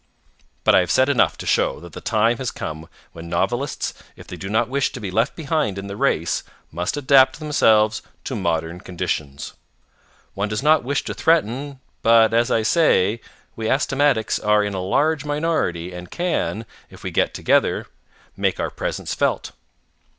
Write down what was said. But I have said enough to show that the time has come when novelists, if they do not wish to be left behind in the race, must adapt themselves to modern conditions. One does not wish to threaten, but, as I say, we astigmatics are in a large minority and can, if we get together, make our presence felt.